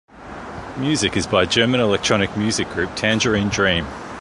Music is by German electronic music group Tangerine Dream.